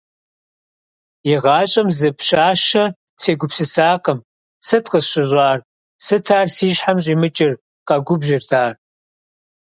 ИгъащӀэм зы пщащэ сегупсысакъым, сыт къысщыщӀар, сыт ар си щхьэм щӀимыкӀыр? - къэгубжьырт ар.